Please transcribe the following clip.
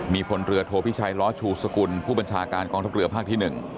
มีพลเรือโทพิชัยล้อชูสกุลผู้บัญชาการกองทัพเรือภาคที่๑